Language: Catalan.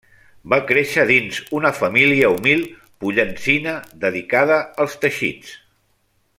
Va créixer dins una família humil pollencina dedicada als teixits.